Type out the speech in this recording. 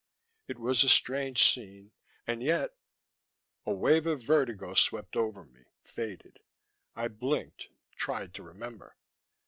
It was a strange scene, and yet _ _A wave of vertigo swept over me, faded. I blinked, tried to remember.